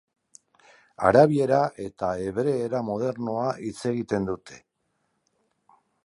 Arabiera eta hebreera modernoa hitz egiten dute.